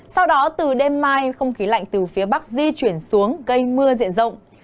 sau đó từ đêm mai không khí lạnh từ phía bắc di chuyển xuống gây mưa diện rộng